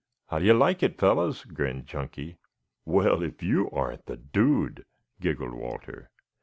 "How do you like it, fellows?" grinned Chunky. "Well, if you aren't the dude," giggled Walter.